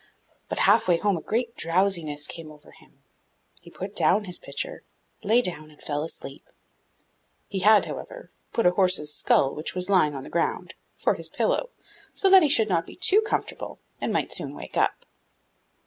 But, half way home, a great drowsiness came over him; he put down his pitcher, lay down, and fell asleep. He had, however, put a horse's skull which was lying on the ground, for his pillow, so that he should not be too comfortable and might soon wake up.